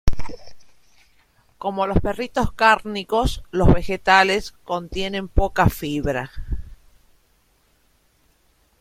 Como los perritos cárnicos, los vegetales contienen poca fibra.